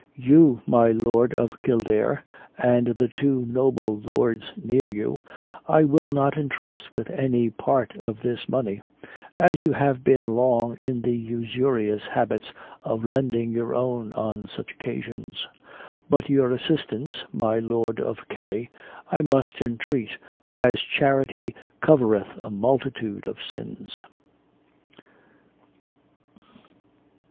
You, my Lord of Kildare, and the two noble lords near you, I will not entrust with any part of this money, as you have been long in the usurious habits of lending your own on such occasions; but your assistance, my Lord of Kerry, I must entreat, as charity covereth a multitude of sins."